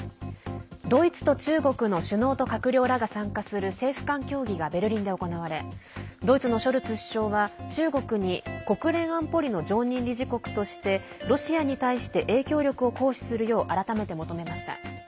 ドイツと中国の首脳と閣僚らが参加する政府間協議がベルリンで行われドイツのショルツ首相は中国に国連安保理の常任理事国としてロシアに対して影響力を行使するよう改めて求めました。